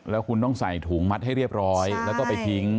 แล้วคุณต้องใส่ถุงมัดให้เรียบร้อยแล้วก็ไปทิ้ง